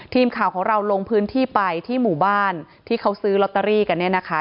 ทีมข่าวของเราลงพื้นที่ไปที่หมู่บ้านที่เขาซื้อลอตเตอรี่กันเนี่ยนะคะ